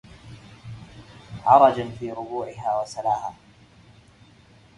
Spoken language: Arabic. عرجا في ربوعها وسلاها